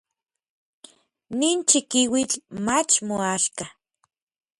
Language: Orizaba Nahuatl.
Nin chikiuitl mach moaxka.